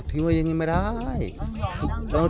ด้วยครับ